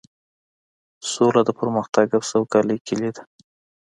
سوله د پرمختګ او سوکالۍ کیلي ده.